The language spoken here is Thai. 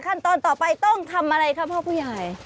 ขั้นตอนต่อไปต้องทำอะไรครับพ่อผู้ใหญ่